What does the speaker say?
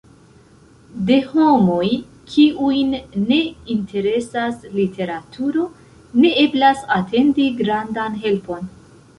De homoj, kiujn ne interesas literaturo, ne eblas atendi grandan helpon.